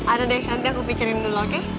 ada deh nanti aku pikirin dulu oke